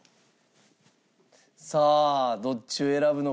さあどっちを選ぶのか？